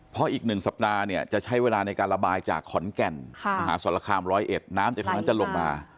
เพราะอีกหนึ่งสัปดาห์จะใช้เวลาในการระบายจากขอนแก่นอาหารสรคามร้อยเอ็ดน้ำจากตรงนั้นจะลงมา